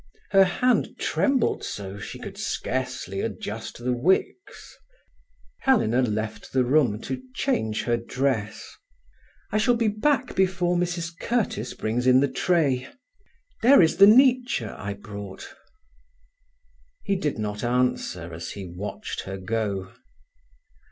Her hand trembled so, she could scarcely adjust the wicks. Helena left the room to change her dress. "I shall be back before Mrs Curtiss brings in the tray. There is the Nietzsche I brought—" He did not answer as he watched her go.